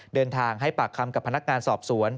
เดินทางให้ปากคำกับพนักงานสอบสวน